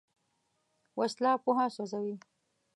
وسله پوهه سوځوي